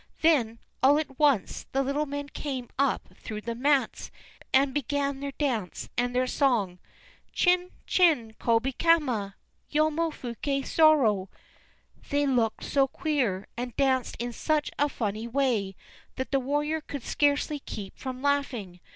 Then, all at once, the little men came up through the mats, and began their dance and their song: Chin chin Kobakama, Yomo fuké Sōro.... They looked so queer, and danced in such a funny way, that the warrior could scarcely keep from laughing.